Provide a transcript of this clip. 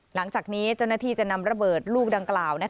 หลังจากนี้เจ้าหน้าที่จะนำระเบิดลูกดังกล่าว